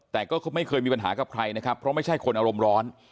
แต่ก็ไม่เคยมีปัญหากับใครนะครับเพราะไม่ใช่คนอารมณ์ร้อน